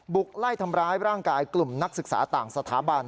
ไล่ทำร้ายร่างกายกลุ่มนักศึกษาต่างสถาบัน